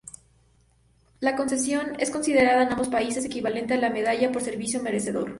La concesión es considerada, en ambos países, equivalente a la Medalla por Servicio Merecedor.